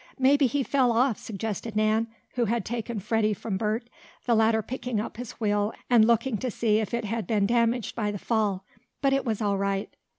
"Maybe he fell off," suggested Nan, who had taken Freddie from Bert, the latter picking up his wheel, and looking to see if it had been damaged by the fall. But it was all right.